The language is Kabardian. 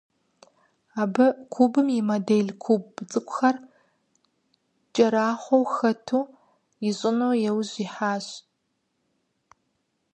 Абы кубым и модель, куб цIыкIухэр кIэрахъуэу хэту ищIыну и ужь ихьащ.